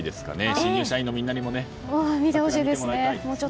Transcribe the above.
新入社員のみんなにも桜を見てもらいたい。